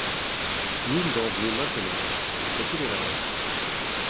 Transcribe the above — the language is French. Nul danger maintenant du côté de la mer.